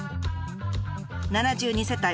７２世帯